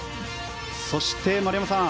そして丸山さん